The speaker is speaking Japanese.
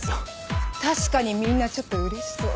確かにみんなちょっと嬉しそう。